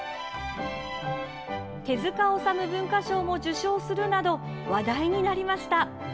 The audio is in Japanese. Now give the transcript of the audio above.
手塚治虫文化賞も受賞するなど話題になりました。